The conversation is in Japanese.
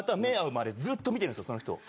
その人を！